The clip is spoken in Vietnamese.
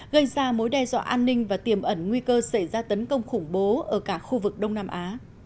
gây ra mối đe dọa an ninh và tiềm ẩn nguy cơ xảy ra tấn công khủng bố ở cả khu vực đông nam á